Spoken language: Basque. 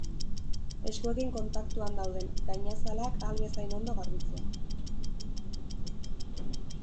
Eskuekin kontaktuan dauden gainazalak ahal bezain ondo garbitzea.